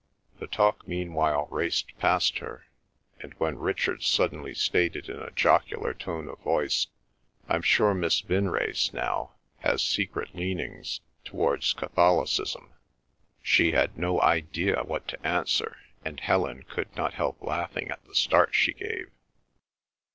The talk meanwhile raced past her, and when Richard suddenly stated in a jocular tone of voice, "I'm sure Miss Vinrace, now, has secret leanings towards Catholicism," she had no idea what to answer, and Helen could not help laughing at the start she gave.